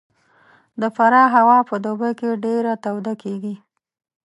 د فراه هوا په دوبي کې ډېره توده کېږي